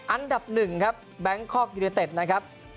อันดับหนึ่งครับแบงคอกยูเนเต็ดนะครับ